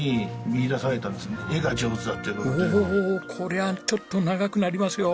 おおこれはちょっと長くなりますよ。